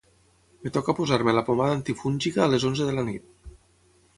Em toca posar-me la pomada antifúngica a les onze de la nit.